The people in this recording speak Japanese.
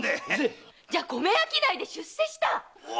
じゃ米商いで出世したの？